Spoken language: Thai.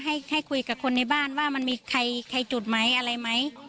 ให้คุยกับคนในบ้านว่ามันมีใครจุดไหมอะไรไหม